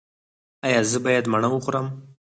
ایا زه باید مڼه وخورم؟